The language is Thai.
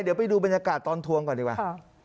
เดี๋ยวไปดูบรรยากาศตอนทวงก่อนดีกว่า